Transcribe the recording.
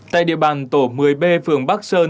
tại địa bàn tổ một mươi b phường bắc sơn